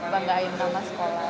banggain mama sekolah